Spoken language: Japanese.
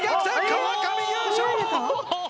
河上優勝！